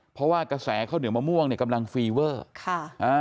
เพราะว่ากระแสข้าวเหนียวมะม่วงเนี่ยกำลังฟีเวอร์ค่ะอ่า